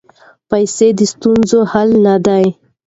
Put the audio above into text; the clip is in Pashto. پیسې د ستونزو حل نه دی.